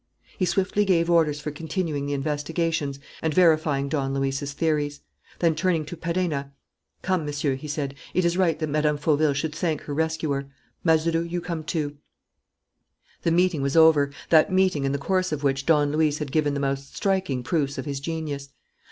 He swiftly gave orders for continuing the investigations and verifying Don Luis's theories. Then, turning to Perenna: "Come, Monsieur," he said. "It is right that Mme. Fauville should thank her rescuer. Mazeroux, you come, too." The meeting was over, that meeting in the course of which Don Luis had given the most striking proofs of his genius.